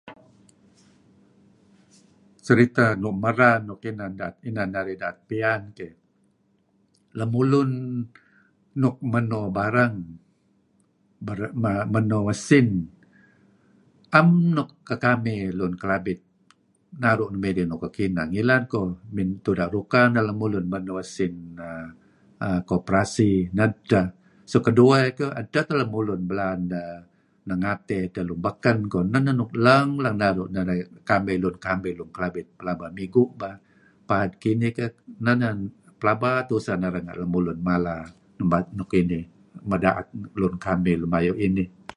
Seriteh lun merar nuk inan narih da'et piyan keh, lemulun nuk meno barang, meno esin. 'am kekamih lun Kelabit naru' nuk kekineh ngilad koh. Tuda' ruka neh lemulun meno esin Koperasi. Neh edtah. Suk keduah eh keh, edtah teh lemulun belaan deh neh ngatey edteh lun beken koh. Neh neh lang-lang naru' kamih lun Kelabit pelaba migu' bah. Paad kinih keh neh neh pelaba tuseh narih renga' lun mala inih meda'et lun kamih lem ayu' inih.